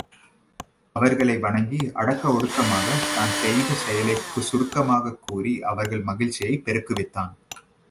அவர்களை வணங்கி அடக்க ஒடுக்கமாகத தான் செய்த செயலைச் சுருக்கமாகக் கூறி அவர்கள் மகிழ்ச்சியைப் பெருக்குவித்தான்.